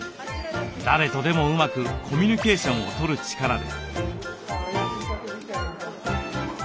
誰とでもうまくコミュニケーションをとる力です。